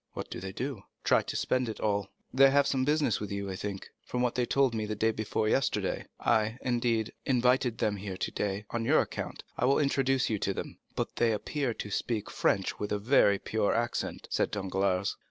"What do they do?" "Try to spend it all. They have some business with you, I think, from what they told me the day before yesterday. I, indeed, invited them here today on your account. I will introduce you to them." "But they appear to speak French with a very pure accent," said Danglars.